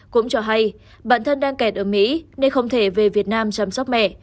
cũng cho hay bạn thân đang kẹt ở mỹ nên không thể về việt nam chăm sóc mẹ